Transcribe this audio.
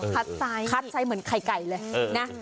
ไซส์คัดไซส์เหมือนไข่ไก่เลยนะ